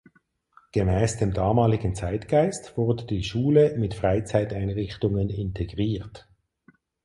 Gemäss dem damaligen Zeitgeist wurde die Schule mit Freizeiteinrichtungen integriert.